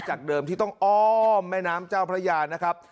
จากเดิมที่ต้องอ้อมแม่น้ำเจ้าพระยานะครับ